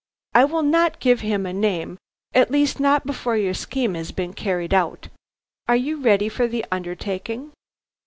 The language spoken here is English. "I will not give him a name, at least not before your scheme has been carried out. Are you ready for the undertaking?"